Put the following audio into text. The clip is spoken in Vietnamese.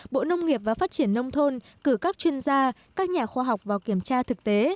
bộ nông nghiệp và phát triển nông thôn cử các chuyên gia các nhà khoa học vào kiểm tra thực tế